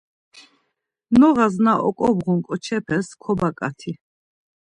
Noğas na oǩobğun ǩoçepes kobaǩati.